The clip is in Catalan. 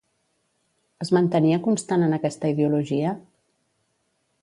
Es mantenia constant en aquesta ideologia?